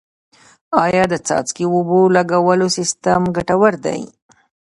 آیا د څاڅکي اوبو لګولو سیستم ګټور دی؟